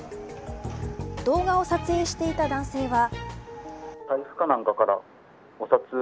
動画を撮影していた男性は。